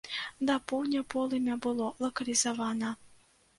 Да поўдня полымя было лакалізавана.